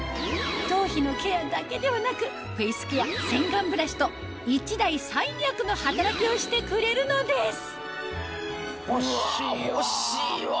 頭皮のケアだけではなくフェイスケア洗顔ブラシと１台３役の働きをしてくれるのです欲しいわ。